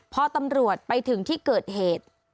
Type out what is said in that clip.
พอตำรวจไปถึงที่เกิดเหตุ